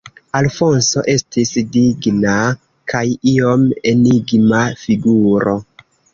Alfonso estis digna kaj iom enigma figuro.